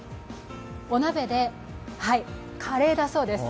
お鍋で、カレーだそうです。